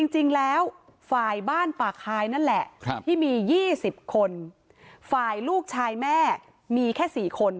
จริงแล้วฝ่ายบ้านป่าคายนั่นแหละที่มี๒๐คนฝ่ายลูกชายแม่มีแค่๔คน